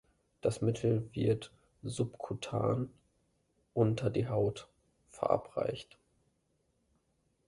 Das Mittel wird subkutan (unter die Haut) verabreicht.